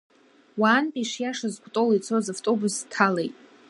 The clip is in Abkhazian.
Уаантәы ишиашаз Кәтол ицоз автобус дҭалеит.